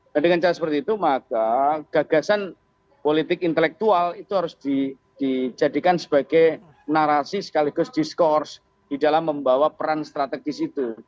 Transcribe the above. nah dengan cara seperti itu maka gagasan politik intelektual itu harus dijadikan sebagai narasi sekaligus diskurs di dalam membawa peran strategis itu